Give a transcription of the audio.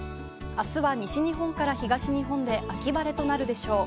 あすは西日本から東日本で秋晴れとなるでしょう。